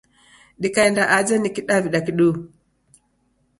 Dikaenda aja ni Kidaw'ida kiduu.